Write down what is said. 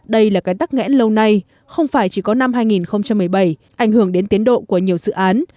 đây là cái tắc nghẽn lâu nay không phải chỉ có năm hai nghìn một mươi bảy ảnh hưởng đến tiến độ của nhiều dự án